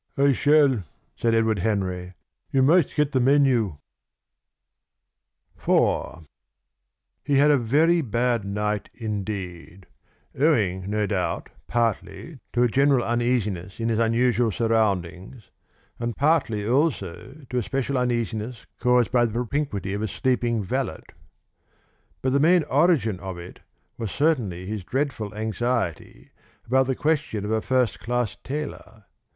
"I shall," said Edward Henry. "You might get the menu." IV. He had a very bad night indeed, owing no doubt partly to a general uneasiness in his unusual surroundings, and partly also to a special uneasiness caused by the propinquity of a sleeping valet; but the main origin of it was certainly his dreadful anxiety about the question of a first class tailor.